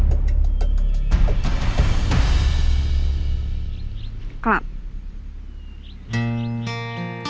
มีบริษัทที่กรุงเทพส่งเมลมาเสนองานที่ทำการตลาดนี้